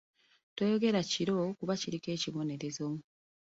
Toyera kiro kuba kiriko ekibonerezo.